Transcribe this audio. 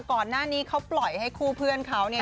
ก่อนหน้านี้เขาปล่อยให้คู่เพื่อนเขาเนี่ย